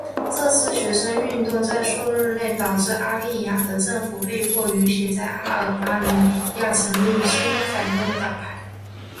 这次学生运动在数日内导致阿利雅的政府被迫允许在阿尔巴尼亚成立新的反对党派。